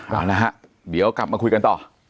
เอาละฮะเดี๋ยวกลับมาคุยกันต่อ